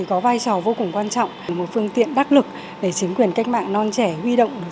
có vai trò vô cùng quan trọng một phương tiện đắc lực để chính quyền cách mạng non trẻ huy động được